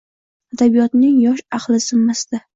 Adabiyotning yosh ahli zimmasida.